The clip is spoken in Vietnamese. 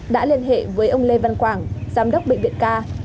đã liên hệ với ông lê văn quảng giám đốc bệnh viện ca